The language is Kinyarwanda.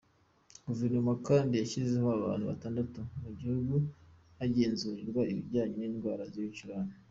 Guverinoma kandi yashyizeho ahantu hatandatu mu gihugu hagenzurirwa ibijyanye n’indwara y’ibicurane.